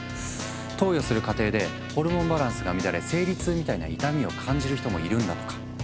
投与する過程でホルモンバランスが乱れ生理痛みたいな痛みを感じる人もいるんだとか。